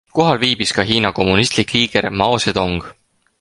Kohal viibis ka Hiina kommunistlik liider Mao Zedong.